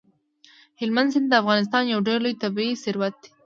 هلمند سیند د افغانستان یو ډېر لوی طبعي ثروت دی.